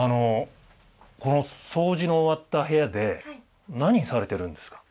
この掃除の終わった部屋で何されてるんですか？